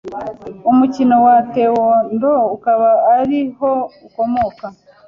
umukino wa Taekwondo ukaba ariho ukomoka.